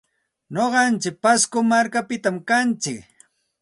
Nuqantsik pasco markapitam kantsik.